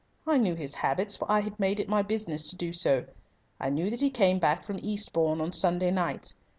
I knew his habits, for I had made it my business to do so. I knew that he came back from Eastbourne on Sunday nights.